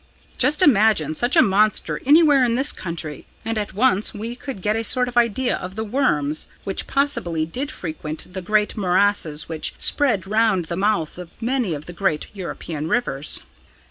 "Just imagine such a monster anywhere in this country, and at once we could get a sort of idea of the 'worms,' which possibly did frequent the great morasses which spread round the mouths of many of the great European rivers."